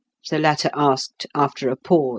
the latter asked, after a pause.